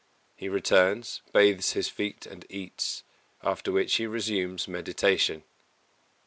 He returns, bathes his feet and eats, after which he resumes meditation.